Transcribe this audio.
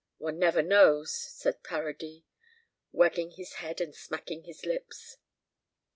"One never knows," said Paradis, wagging his head and smacking his lips.